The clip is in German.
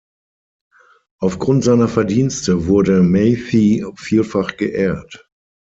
Aufgrund seiner Verdienste wurde Mathy vielfach geehrt.